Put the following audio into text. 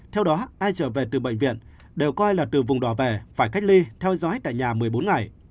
theo đó ai trở về từ bệnh viện đều coi là từ vùng đỏ về phải cách ly theo dõi tại nhà một mươi bốn ngày